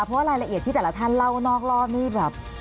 เพราะว่ารายละเอียดที่แต่ละท่านเล่านอกรอบนี่แบบ